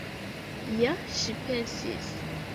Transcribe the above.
Ja ŝi pensis!